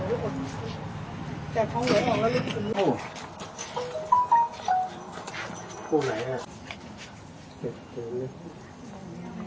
ไปใกล้อีกฉันยังไม่เปิดเลยตอนนี้